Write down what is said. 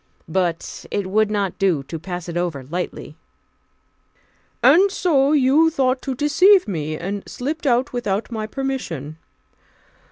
But it would not do to pass it over lightly. "And so you thought to deceive me, and slipped out without my permission.